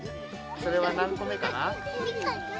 それは何個目かな？